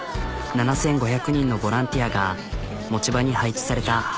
７、５００人のボランティアが持ち場に配置された。